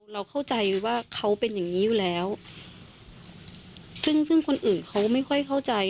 เราเข้าใจว่าเขาเป็นอย่างงี้อยู่แล้วซึ่งซึ่งคนอื่นเขาไม่ค่อยเข้าใจ